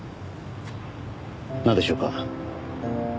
なんでしょうか？